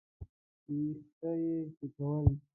ويښته يې شکول.